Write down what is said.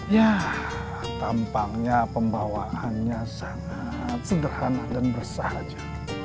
ya tampangnya pembawaannya sangat sederhana dan bersahaja